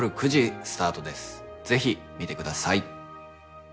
ぜひ見てください。